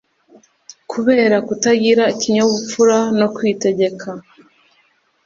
kubera kutagira ikinyabupfura no kwitegeka,